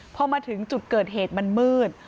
พอมาถึงจุดเกิดเหตุมันมืด